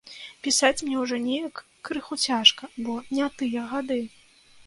Пісаць мне ўжо неяк крыху цяжка, бо не тыя гады.